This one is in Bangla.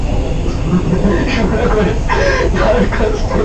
সুধাকরের ডান কাঁধ সন্ধিচ্যুত হয়েছে।